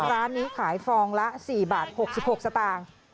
ร้านนี้ขายฟองละ๔บาท๖๖สตางค์